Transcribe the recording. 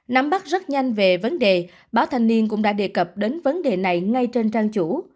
nắm bắt rất nhanh về vấn đề báo thanh niên cũng đã đề cập đến vấn đề này ngay trên trang chủ